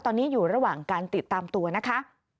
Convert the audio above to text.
ตอนนี้อยู่ระหว่างการติดตามตัวนะคะ